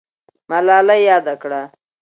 ملالۍ یاده کړه.